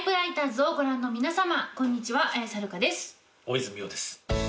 大泉洋です。